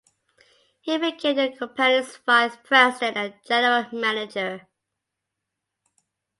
He became the company's vice president and general manager.